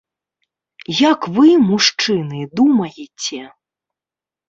Як вы, мужчыны, думаеце?